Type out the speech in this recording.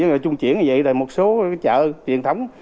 trung triển như vậy là một số chợ truyền thống